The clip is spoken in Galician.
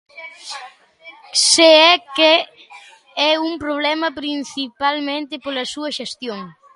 Se é que é un problema principalmente pola súa xestión.